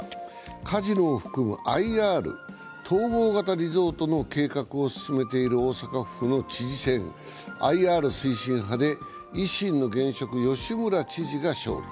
カジノを含むＩＲ＝統合型リゾートの計画を進めている大阪府の知事選、ＩＲ推進派で維新の現職、吉村知事が勝利。